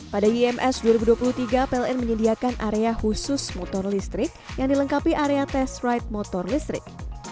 pada ims dua ribu dua puluh tiga pln menyediakan area khusus motor listrik yang dilengkapi area test ride motor listrik